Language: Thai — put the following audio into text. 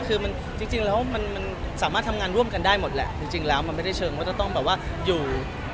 คือมันจริงแล้วมันสามารถทำงานร่วมกันได้หมดแหละจริงแล้วมันไม่ได้เชิงว่าจะต้องแบบว่าอยู่